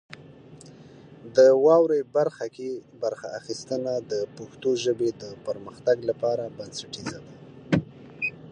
د واورئ برخه کې برخه اخیستنه د پښتو ژبې د پرمختګ لپاره بنسټیزه ده.